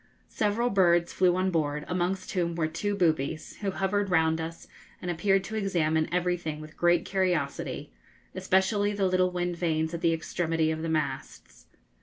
Several birds flew on board, amongst whom were two boobies, who hovered round us and appeared to examine everything with great curiosity, especially the little wind vanes at the extremity of the masts.